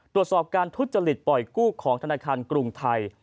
ตรวจสอบการทุจริตปล่อยกู้ของธนาคารกรุงไทย